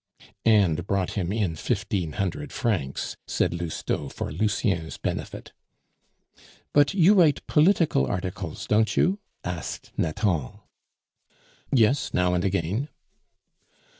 "And brought him in fifteen hundred francs," said Lousteau for Lucien's benefit. "But you write political articles, don't you?" asked Nathan. "Yes; now and again."